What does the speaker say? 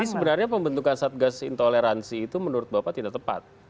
jadi sebenarnya pembentukan satgas intoleransi itu menurut bapak tidak tepat